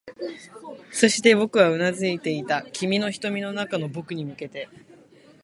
そして、僕はうなずいていた、君の瞳の中の僕に向けて